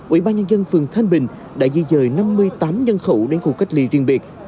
ủy ban nhân dân phường thanh bình đã di dời năm mươi tám nhân khẩu đến khu cách ly riêng biệt